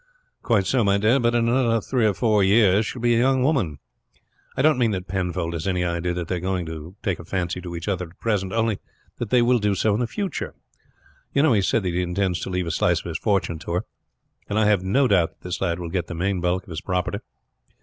"Quite so, my dear; but in another three or four years she will be a young woman. I don't mean that Penfold has any idea that they are going to take a fancy to each other at present only that they will do so in the future. You know he has said that he intends to leave a slice of his fortune to her, and I have no doubt that this lad will get the main bulk of his property.